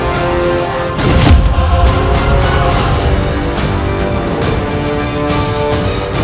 hidup yang mulia